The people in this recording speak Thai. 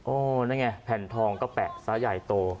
นั่นไงแผ่นทองก็แปะซ้ายใหญ่โต